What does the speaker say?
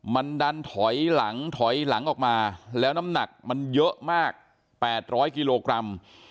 มันดันถอยหลังถอยหลังออกมาแล้วน้ำหนักมันเยอะมาก๘๐๐กิโลกรัม